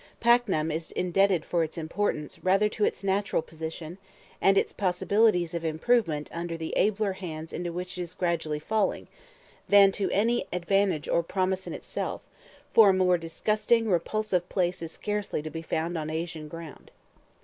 Paknam is indebted for its importance rather to its natural position, and its possibilities of improvement under the abler hands into which it is gradually falling, than to any advantage or promise in itself; for a more disgusting, repulsive place is scarcely to be found on Asian ground.